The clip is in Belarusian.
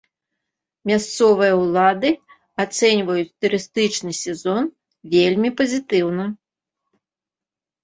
Мясцовыя ўлады ацэньваюць турыстычны сезон вельмі пазітыўна.